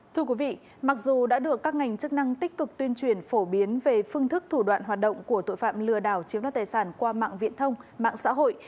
thưa quý vị mặc dù đã được các ngành chức năng tích cực tuyên truyền phổ biến về phương thức thủ đoạn hoạt động của tội phạm lừa đảo chiếm đoạt tài sản qua mạng viễn thông mạng xã hội